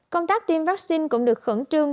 công tác tiêm vaccine cũng được khẩn trương